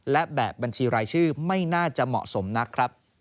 และแบบบัญชีรายชื่อไม่น่าจะเหมาะสมนักครับ